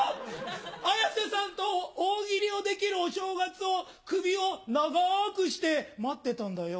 綾瀬さんと大喜利をできるお正月を首を長くして待ってたんだよ。